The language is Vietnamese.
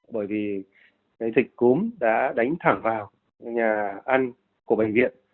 bởi vì dịch cúm đã đánh thẳng vào nhà ăn của bệnh viện